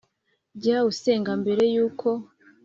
Jya usenga mbere y uko